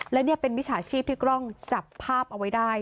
และนี่เป็นมิจฉาชีพที่กล้องจับภาพเอาไว้ได้